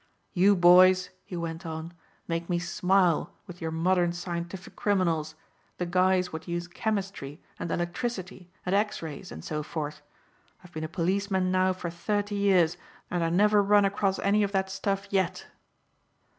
"You boys," he went on, "make me smile with your modern scientific criminals, the guys what use chemistry and electricity and x rays and so forth. I've been a policeman now for thirty years and I never run across any of that stuff yet."